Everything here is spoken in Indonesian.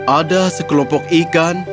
ada sekelompok ikan